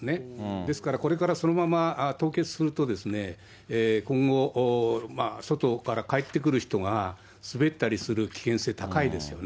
ですからこれからそのまま凍結すると、今後、外から帰ってくる人が滑ったりする危険性高いですよね。